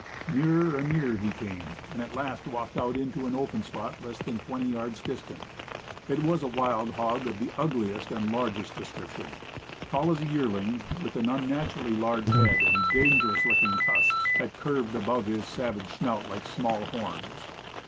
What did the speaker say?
Nearer and nearer he came, and at last walked out into an open spot less than twenty yards distant. It was a wild hog of the ugliest and largest description; tall as a yearling, with an un naturally large head, and dangerous looking tusks, that curved above his savage snout like small horns.